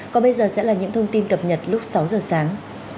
còn bây giờ sẽ là những thông tin cập nhật lúc sáu giờ sáng